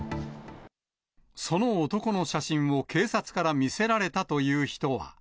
その男の写真を警察から見せられたという人は。